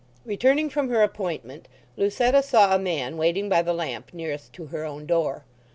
Returning from her appointment Lucetta saw a man waiting by the lamp nearest to her own door.